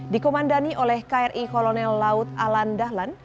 dikomandani oleh kri kolonel laut alan dahlan